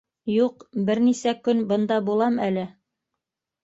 — Юҡ, бер нисә көн бында булам әле.